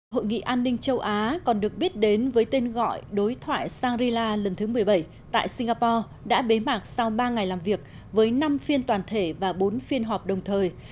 hội nghị an ninh châu á còn được biết đến với tên gọi đối thoại shangri la lần thứ một mươi bảy tại singapore đã bế mạc sau ba ngày làm việc với năm phiên toàn thể và bốn phiên họp đồng thời